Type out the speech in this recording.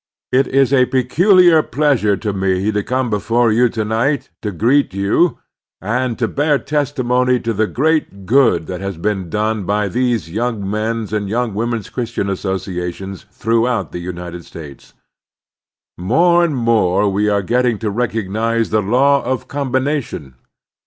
IT is a peculiar pleasure to me to come before you to night to greet you and to bear testi mony to the great good that has been done by these Yoimg Men's and Yoimg Women's Christian Associations throughout the United States. More and more we are getting to recognize the law of combination.